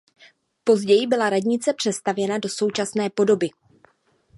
Později byla radnice přestavěna do současné podoby.